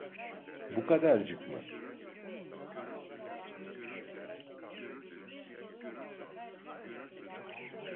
Bu kadarcık mı?